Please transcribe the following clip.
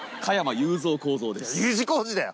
Ｕ字工事だよ！